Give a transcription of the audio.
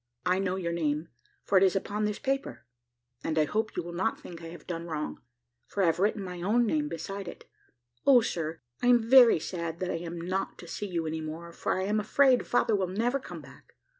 I know your name, for it is upon this paper, and I hope you will not think I have done wrong, for I have written my own name beside it. O sir! I am very sad that I am not to see you any more, for I am afraid father will never come back.